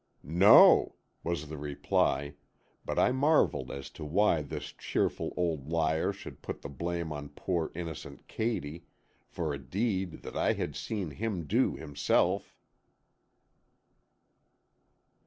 "No," was the reply, but I marvelled as to why this cheerful old liar should put the blame on poor, innocent Katy, for a deed that I had seen him do himself.